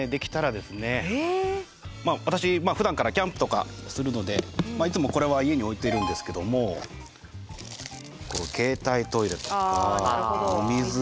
まあ私ふだんからキャンプとかするのでいつもこれは家に置いてるんですけども携帯トイレとかお水